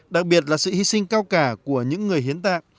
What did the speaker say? đặc biệt là sự hy sinh cao cả của những người hiến tạng